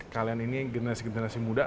kalian ini generasi generasi muda